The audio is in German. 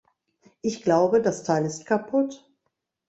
Ich glaube, das Teil ist kaputt.